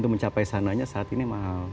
dan perusahaannya saat ini mahal